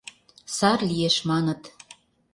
Сар лиеш, маныт.